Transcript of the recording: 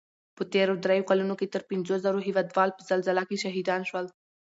په تېرو دریو کلو کې تر پنځو زرو هېوادوال په زلزله کې شهیدان شول